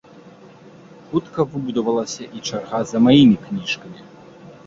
Хутка выбудавалася і чарга за маімі кніжкамі.